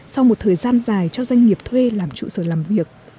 sau một thời gian dài cho doanh nghiệp thuê làm trụ sở làm việc